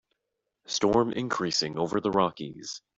Storm increasing over the Rockies.